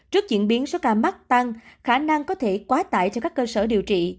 trước diễn biến số ca mắc tăng khả năng có thể quá tải cho các cơ sở điều trị